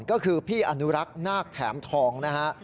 ก็คือพี่อนุรักษ์นาคแถมทองนะฮะ